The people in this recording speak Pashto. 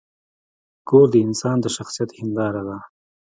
کور د انسان د شخصیت هنداره ده.